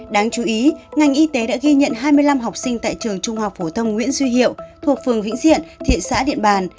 đáng chú ý ngành y tế đã ghi nhận hai mươi năm học sinh tại trường trung học phổ thông nguyễn duy hiệu thuộc phường vĩnh diện thị xã điện bàn